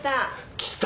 来た！